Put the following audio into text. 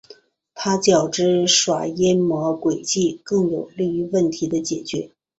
这较之耍阴谋诡计更有利于问题的解决。